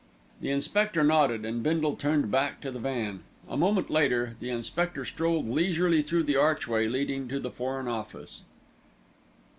The inspector nodded, and Bindle turned back to the van. A moment later the inspector strolled leisurely through the archway leading to the Foreign Office.